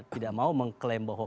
tidak mau mengklaim bahwa